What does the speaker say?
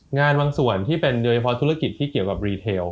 งานบางส่วนที่เป็นโดยเฉพาะธุรกิจที่เกี่ยวกับรีเทล